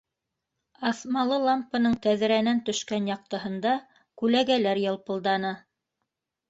Аҫмалы лампаның тәҙрәнән төшкән яҡтыһында күләгәләр йылпылданы.